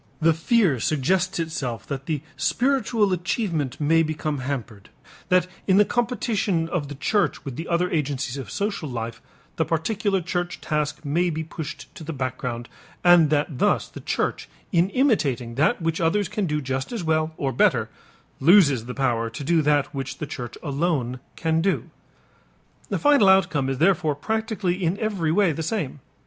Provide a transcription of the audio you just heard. The fear suggests itself that the spiritual achievement may become hampered, that in the competition of the church with the other agencies of social life the particular church task may be pushed to the background, and that thus the church in imitating that which others can do just as well or better loses the power to do that which the church alone can do. The final outcome is therefore practically in every way the same.